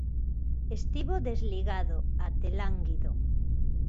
Estivo desligado, até lánguido.